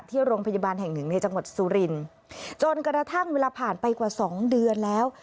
ที่โรงพยาบาลแห่งหนึ่งในจังหวัดสุรินทร์จนกระทั่งเวลาผ่านไปกว่าสองเดือนแล้ว